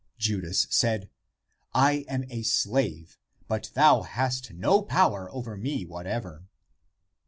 Judas said, " I am a slave, but thou hast no power over me whatever."